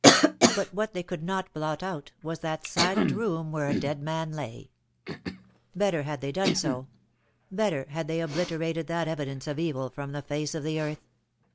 But what they could not blot out was that silent room where a dead man lay. Better had they done so; better had they obliterated that evidence of evil from the face of the earth.